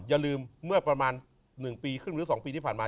อย่าลืมเมื่อประมาณ๑๒ปีที่ผ่านมา